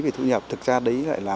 về thu nhập thực ra đấy lại là